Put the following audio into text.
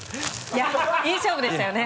いやいい勝負でしたよね。